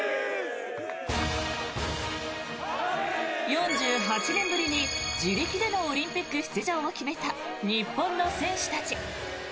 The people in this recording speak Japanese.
４８年ぶりに自力でのオリンピック出場を決めた日本の選手たち。